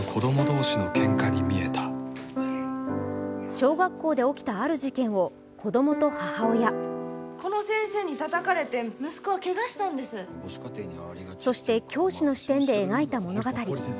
小学校で起きたある事件を子供と母親そして教師の視点で描いた物語。